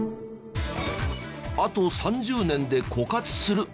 あと３０年で枯渇する。